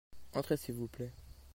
Entrez s'il vous plait.